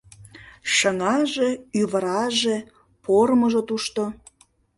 Шыҥаже, ӱвыраже, пормыжо тушто...